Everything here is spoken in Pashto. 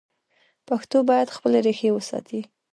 پښتو باید خپلې ریښې وساتي.